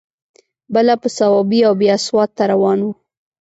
بله په صوابۍ او بیا سوات ته روان و.